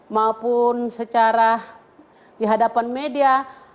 maupun secara dihadapan media